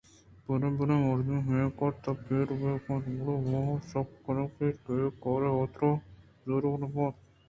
برے برے مردم ہمے کار ءِ تہا پیر بنت گڑا آوان ءَ سہی کنگ بیت کہ اے کار ءِ حاترا آ زورگ نہ بنت